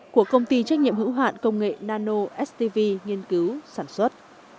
của công ty trách nhiệm hữu hạn công nghệ nano stv nghiên cứu sản xuất